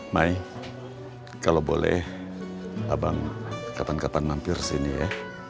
mai kalau boleh abang kapan kapan mampir sini ya